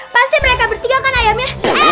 pasti mereka bertiga kan ayamnya